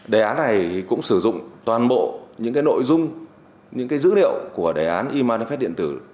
đề án này cũng sử dụng toàn bộ những nội dung những dữ liệu của đề án emafet điện tử